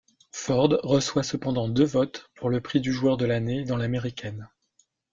Ford reçoit cependant deux votes pour le prix du joueur de l'année dans l'Américaine.